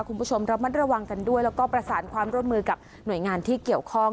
คุณผู้ชมระมัดระวังกันด้วยแล้วก็ประสานความร่วมมือกับหน่วยงานที่เกี่ยวข้อง